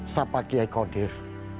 sapa giai kodir